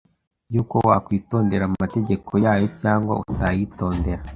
yuko wakwitondera amategeko yayo cyangwa utayitondera